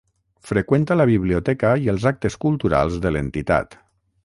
Freqüenta la biblioteca i els actes culturals de l'entitat.